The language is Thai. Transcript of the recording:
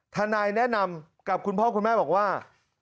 ทนายแนะนำกับคุณพ่อคุณแม่บอกว่า